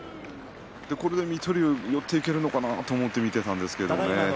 水戸龍、寄っていけるのかな？と思って見ていたんですけれどね